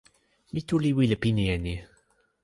mi tu li wile pini e ni.